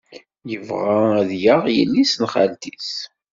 Yebɣa ad yaɣ yelli-s n xalti-s.